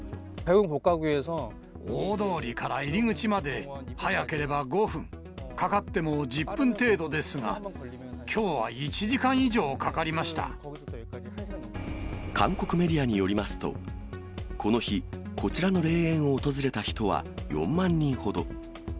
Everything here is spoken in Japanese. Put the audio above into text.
大通りから入り口まで、早ければ５分、かかっても１０分程度ですが、きょうは１時間以上韓国メディアによりますと、この日、こちらの霊園を訪れた人は４万人ほど。